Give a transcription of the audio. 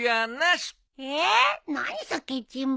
ええ何さケチンボ。